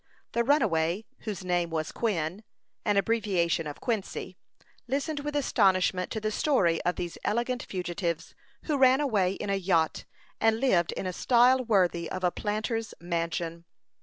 The runaway, whose name was Quin, an abbreviation of Quincy, listened with astonishment to the story of these elegant fugitives, who ran away in a yacht, and lived in a style worthy of a planter's mansion.